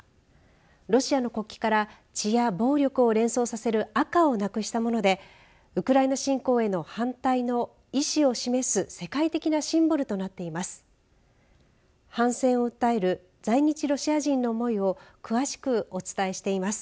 ロシアの国旗から血や暴力を連想させる赤をなくしたものでウクライナ侵攻への反対の意志を示す世界的なシンボルとなっています。